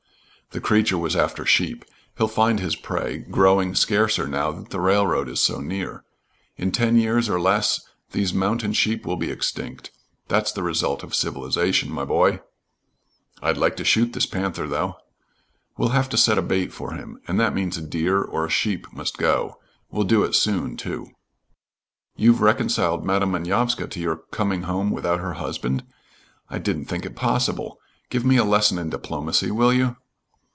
"The creature was after sheep. He'll find his prey growing scarcer now that the railroad is so near. In ten years or less these mountain sheep will be extinct. That's the result of civilization, my boy." "I'd like to shoot this panther, though." "We'll have to set a bait for him and that means a deer or a sheep must go. We'll do it soon, too." "You've reconciled Madam Manovska to your coming home without her husband! I didn't think it possible. Give me a lesson in diplomacy, will you?"